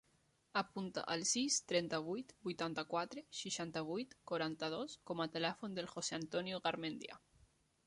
Apunta el sis, trenta-vuit, vuitanta-quatre, seixanta-vuit, quaranta-dos com a telèfon del José antonio Garmendia.